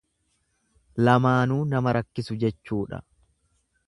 Lamaanuu nama rakkisu jechuudha.